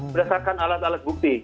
berdasarkan alat alat bukti